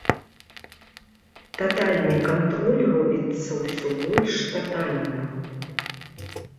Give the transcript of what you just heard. Татальны кантроль робіцца ўсё больш татальным.